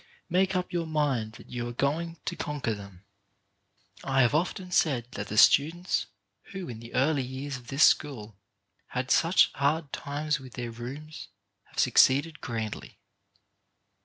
Make up your mind that you are going to con quer them. I have often said that the students who in the early years of this school had such 22 CHARACTER BUILDING hard times with their rooms have succeeded grandly.